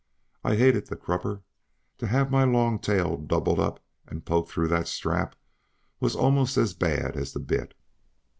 I hated the crupper to have my long tail doubled up and poked through that strap was almost as bad as the bit.